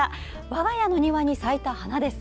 我が家の庭に咲いた花です。